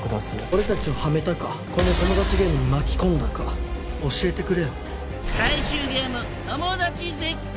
俺たちをはめたかこのトモダチゲームに巻き込んだか教えてくれよ。